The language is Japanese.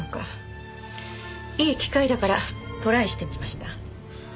いい機会だからトライしてみました。